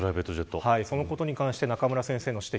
そのことに関して中村先生の指摘。